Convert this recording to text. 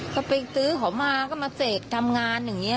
ก็ไปซื้อเขามาก็มาเสกทำงานอย่างนี้